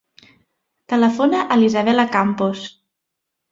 Telefona a l'Isabella Campos.